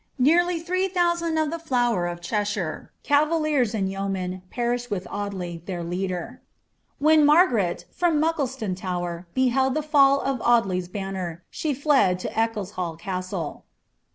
Nearly three thousand of the (lower of Cheshire, cavaliers and yeomen, peHslied with Audlev, their leader. When Margaret, from MncdcilonTitwer, be held Uie fall of Audley's banner, she Hed to £ccleshall Custle.'